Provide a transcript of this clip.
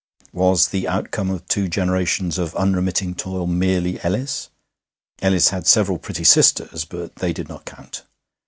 Was the outcome of two generations of unremitting toil merely Ellis? (Ellis had several pretty sisters, but they did not count.)